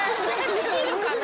できるかな？